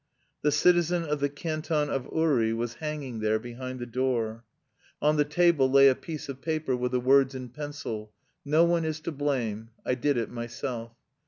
The citizen of the canton of Uri was hanging there behind the door. On the table lay a piece of paper with the words in pencil: "No one is to blame, I did it myself."